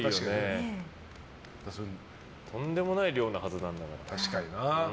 とんでもない量のはずなんだから。